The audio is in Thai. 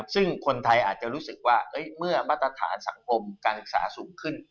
ซึ่งคนไทยอาจจะรู้สึกว่าเมื่อมาตรฐานสังคมการศึกษาสูงขึ้น